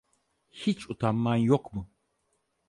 Hiç utanman yok mu?